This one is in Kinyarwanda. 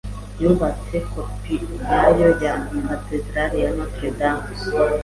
Yubatse kopi nyayo ya Katedrali ya Notre Dame.